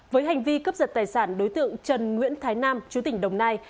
với hành vi cấp dật tài sản đối tượng trần nguyễn thái nam chú tỉnh đồng nai